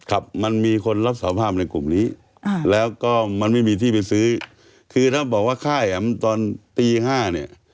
ครับมันมีคนรับสาภาพในกลุ่มนี้อ่าแล้วก็มันไม่มีที่ไปซื้อคือถ้าบอกว่าค่ายแอมตอนตีห้าเนี่ย